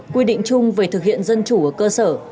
quy định chung về thực hiện dân chủ ở cơ sở